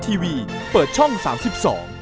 ขอบคุณครับ